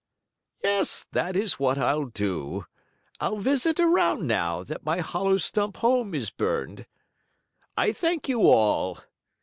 "Yes, that is what I'll do. I'll visit around now that my hollow stump home is burned. I thank you all.